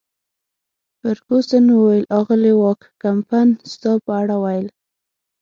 فرګوسن وویل: اغلې وان کمپن ستا په اړه ویل.